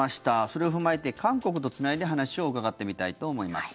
それを踏まえて韓国とつないで話を伺ってみたいと思います。